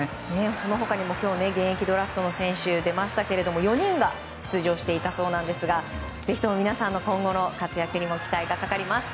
その他にも今日現役ドラフトの選手が出ましたけれども、４人が出場していたそうなんですがぜひとも皆さんの今後の活躍にも期待がかかります。